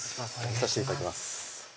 見させていただきます